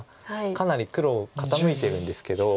かなり黒傾いてるんですけど。